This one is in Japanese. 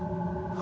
あ！